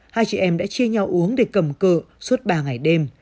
hai chị em đã chia nhau uống để cầm cự suốt ba ngày đêm